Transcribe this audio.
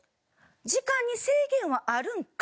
「時間に制限はあるんか？」